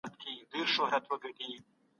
د استاد څخه لارښوونې په حضوري ټولګي کي واخلئ.